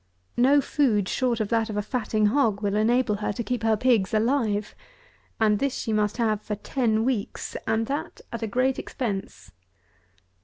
No food short of that of a fatting hog will enable her to keep her pigs alive; and this she must have for ten weeks, and that at a great expense.